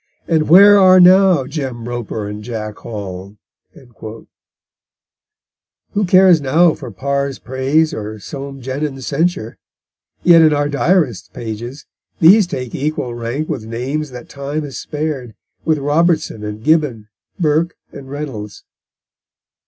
And where are now Jem Roper and Jack Hall?_ Who cares now for Parr's praise or Soame Jenyns' censure? Yet in our Diarist's pages these take equal rank with names that time has spared, with Robertson and Gibbon, Burke and Reynolds.